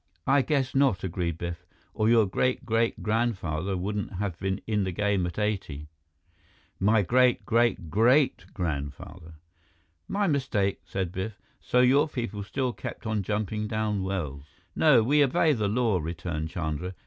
"I guess not," agreed Biff, "or your great great grandfather wouldn't have been in the game at eighty." "My great great great grandfather." "My mistake," said Biff. "So your people still kept on jumping down wells?" "No, we obey the law," returned Chandra.